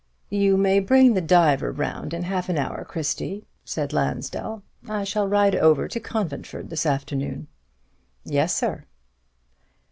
"You may bring the Diver round in half an hour, Christie," said Mr. Lansdell; "I shall ride over to Conventford this afternoon." "Yes, sir."